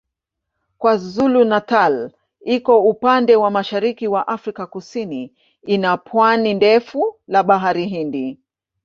KwaZulu-Natal iko upande wa mashariki wa Afrika Kusini ina pwani ndefu la Bahari Hindi.